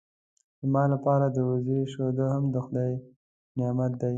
زما لپاره د وزې شیدې هم د خدای نعمت دی.